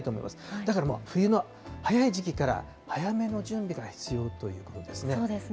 だからもう、冬の早い時期から早めの準備が必要ということですね。